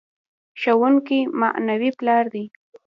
ښوونکی معنوي پلار دی.